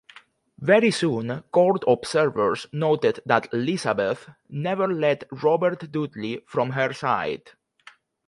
Very soon court observers noted that Elizabeth never let Robert Dudley from her side.